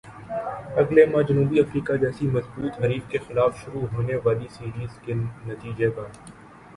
اگلے ماہ جنوبی افریقہ جیسے مضبوط حریف کے خلاف شروع ہونے والی سیریز کے نتیجے کا